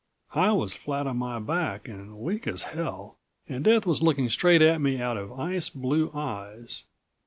I was flat on my back and weak as hell and Death was looking straight at me out of ice blue eyes.